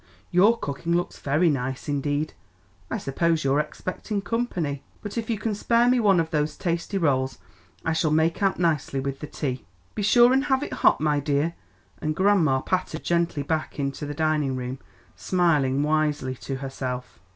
your cooking looks very nice indeed. I suppose you're expecting company; but if you can spare me one of those tasty rolls I shall make out nicely with the tea. Be sure and have it hot, my dear." And grandma pattered gently back into the dining room, smiling wisely to herself.